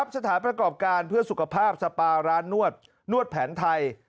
สถานประกอบการเพื่อสุขภาพสปาร้านนวดนวดแผนไทย